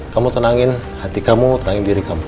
kamu tenangin hati kamu tenangin diri kamu